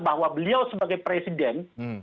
bahwa beliau sebagai presiden